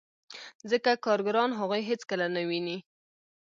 ځکه کارګران هغوی هېڅکله نه ویني